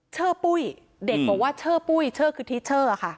ชื่อปุ้ยเด็กบอกว่าชื่อปุ้ยเชอร์คือทิชเชอร์ค่ะ